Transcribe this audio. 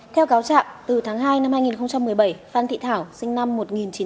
theo cáo trạm từ tháng hai năm hai nghìn một mươi bảy phan thị thảo sinh năm một nghìn chín trăm năm mươi bảy